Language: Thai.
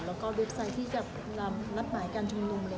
แล้วก็เว็บไซต์ที่จะนัดหมายการชุมนุม